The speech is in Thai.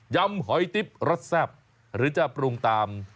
ำหอยติ๊บรสแซ่บหรือจะปรุงตาม